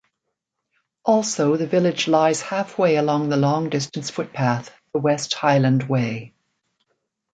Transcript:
Also the village lies halfway along the long distance footpath, the West Highland Way.